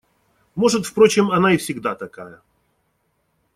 Может, впрочем, она и всегда такая.